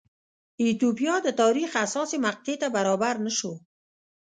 ایتوپیا د تاریخ حساسې مقطعې ته برابر نه شو.